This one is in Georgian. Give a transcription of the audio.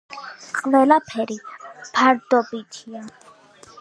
ყველაფერი ფარდობითია.